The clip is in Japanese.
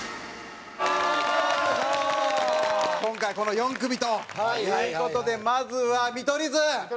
今回この４組という事でまずは見取り図！